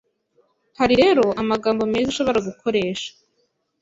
Hari rero amagambo meza ushobora gukoresha